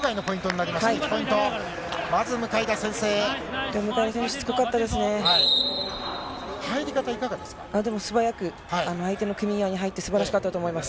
入り方、でも素早く、相手の組み合いに入って、すばらしかったと思います。